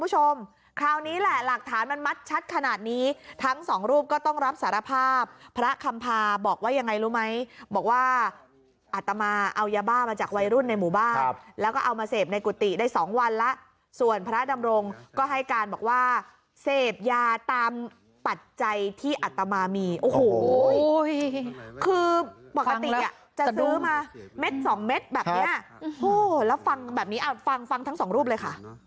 คุณผู้ชมคราวนี้แหละหลักฐานมันมัดชัดขนาดนี้ทั้งสองรูปก็ต้องรับสารภาพพระคำพาบอกว่ายังไงรู้ไหมบอกว่าอัตมาเอายาบ้ามาจากวัยรุ่นในหมู่บ้านแล้วก็เอามาเสพในกุฏิได้สองวันแล้วส่วนพระดำรงก็ให้การบอกว่าเสพยาตามปัจจัยที่อัตมามีโอ้โหคือปกติจะซื้อมาเม็ดสองเม็ดแบบเนี้ยโอ้โหแล้วฟังแบบนี้ฟังฟังทั้งสองรูปเลยค่ะ